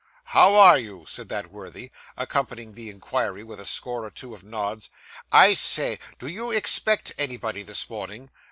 'How are you?' said that worthy, accompanying the inquiry with a score or two of nods; 'I say do you expect anybody this morning?